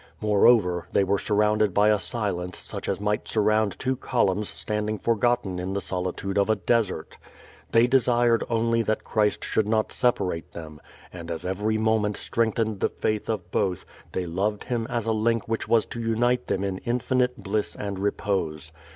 Moreover, they were surrounded by a silence such as might surround two columns standing forgotten in the solitude of a desert. They desired only that Christ should not separate them; and as every moment strengthened the faith of both, they loved Him is a link which was to unite them in infinite bliss and repose.